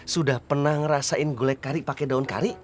sudah pernah ngerasain gulai kari pakai daun kari